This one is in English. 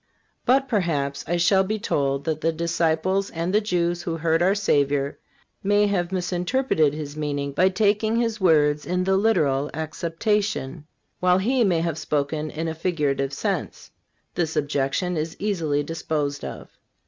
But, perhaps, I shall be told that the disciples and the Jews who heard our Savior may have misinterpreted His meaning by taking His words in the literal acceptation, while He may have spoken in a figurative sense. This objection is easily disposed of.